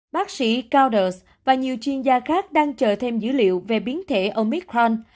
bác sĩ gouders và nhiều chuyên gia khác đang chờ thêm dữ liệu về biến thể omicron